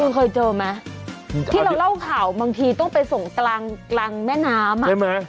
กูเคยเจอมั้ยที่เราเล่าข่าวบางทีต้องไปส่งตรางแม่น้ำอะใช่มั้ย